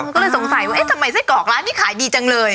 ก็เลยสงสัยว่าเอ๊ะทำไมไส้กรอกร้านนี้ขายดีจังเลย